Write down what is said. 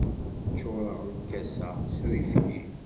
Ččureɣ lkas-a s uyefki.